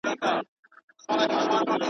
ښکارېدی چی بار یې دروند وو پر اوښ زور وو.